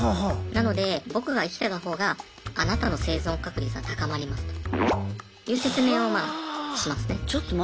なので僕が生きてたほうがあなたの生存確率は高まりますという説明をまあしますね。